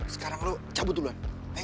sekarang lo cabut duluan